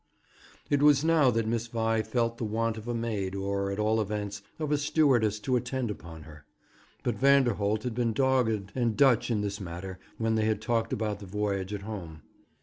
It was now that Miss Vi felt the want of a maid, or, at all events, of a stewardess to attend upon her. But Vanderholt had been dogged and Dutch in this matter when they had talked about the voyage at home.